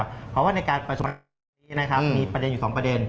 เพราะว่าในการประสบความใช้ไว้มีประเด็นอยู่๒ประเด็น